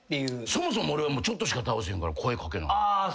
そもそも俺はちょっとしか倒せへんから声掛けない。